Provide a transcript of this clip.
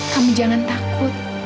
kamu jangan takut